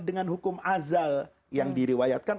dengan hukum azal yang diriwayatkan